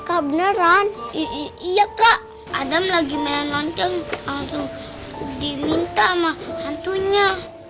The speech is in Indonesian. apakah beneran iya kak adam lagi main lonceng diminta mah hantunya